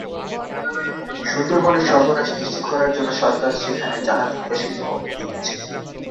সুন্দরবনের সর্বনাশ নিশ্চিত করার জন্য সরকার সেখানে জাহাজভাঙ্গা শিল্পের অনুমতি দিচ্ছে।